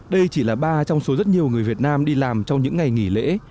đây chỉ là ba trong số rất nhiều người việt nam đi làm trong những ngày nghỉ lễ